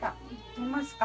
寝ますか？